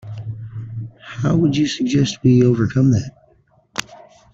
How would you suggest we overcome that?